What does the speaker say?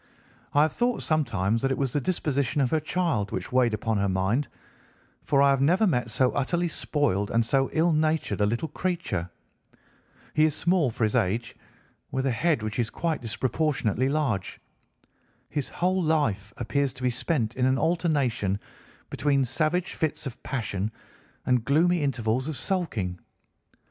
I have thought sometimes that it was the disposition of her child which weighed upon her mind, for I have never met so utterly spoiled and so ill natured a little creature. He is small for his age, with a head which is quite disproportionately large. His whole life appears to be spent in an alternation between savage fits of passion and gloomy intervals of sulking.